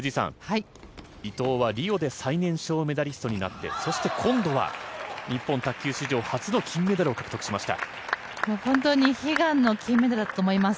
伊藤はリオで最年少メダリストになって今度は日本卓球史上初の金メダルを獲得しました。